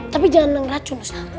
tapi jangan ngeracun ustaz